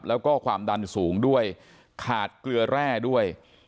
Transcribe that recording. แล้วก็ความดันสูงด้วยขาดเกลือแร่ด้วย